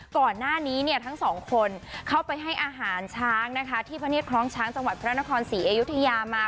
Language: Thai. ก่อนหน้านี้เนี่ยทั้งสองคนเข้าไปให้อาหารช้างนะคะที่พระเนียดคล้องช้างจังหวัดพระนครศรีอยุธยามา